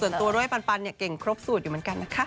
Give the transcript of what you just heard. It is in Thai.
ตัวด้วยปันเนี่ยเก่งครบสูตรอยู่เหมือนกันนะคะ